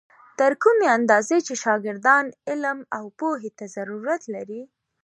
تر کومې اندازې چې شاګردان علم او پوهې ته ضرورت لري.